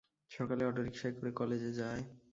সকালে অটোরিকশায় করে কলেজে যায়।